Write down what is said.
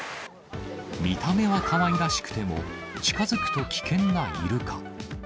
見た目はかわいらしくても、近づくと危険なイルカ。